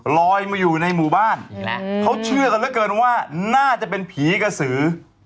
ลอยมาอยู่ในหมู่บ้านเขาเชื่อกันเหลือเกินว่าน่าจะเป็นผีกระสือ